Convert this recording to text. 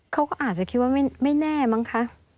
เขาก็อาจจะคิดว่าไม่แน่มั้งคะ